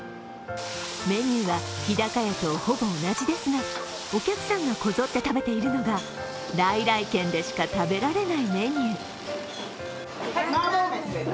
メニューは日高屋とほぼ同じですが、お客さんがこぞって食べているのが、来来軒でしか食べられないメニュー。